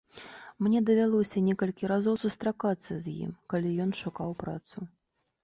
Мне давялося некалькі разоў сустракацца з ім, калі ён шукаў працу.